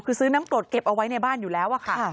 คือซื้อน้ำกรดเก็บเอาไว้ในบ้านอยู่แล้วอะค่ะ